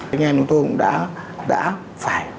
anh em chúng tôi cũng đã phải